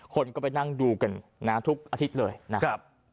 คนก็ไปนั่งดูกันนะทุกอาทิตย์เลยนะครับ